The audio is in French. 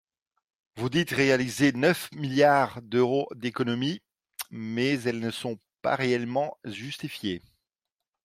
Vous dites réaliser neuf milliards d’euros d’économie, mais elles ne sont pas réellement justifiées.